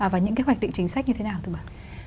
và những cái hoạch định chính sách như thế nào thưa bà